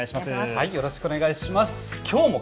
よろしくお願いします。